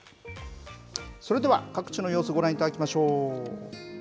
それでは、各地の様子ご覧いただきましょう。